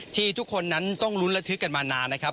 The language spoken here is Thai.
ทุกคนนั้นต้องลุ้นระทึกกันมานานนะครับ